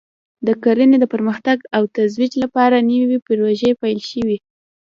د کرنې د پرمختګ او ترویج لپاره نوې پروژې پلې شوې دي